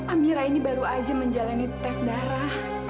amira ini baru aja menjalani tes darah